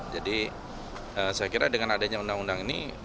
jadi saya kira dengan adanya undang undang ini